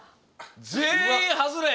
全員外れ！